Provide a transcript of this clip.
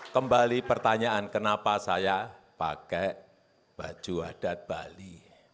kembali pertanyaan kenapa saya pakai baju adat bali